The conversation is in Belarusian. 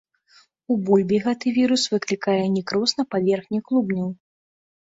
У бульбе гэты вірус выклікае некроз на паверхні клубняў.